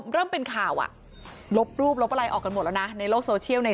เริ่มเป็นข่าวอ่ะลบรูปลบอะไรออกกันหมดแล้วนะในโลกโซเชียลใน